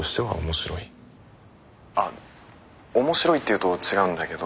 あっ面白いって言うと違うんだけど。